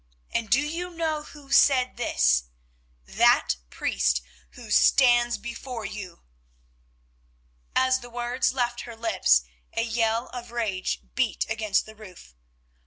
And do you know who said this? That priest who stands before you." As the words left her lips a yell of rage beat against the roof.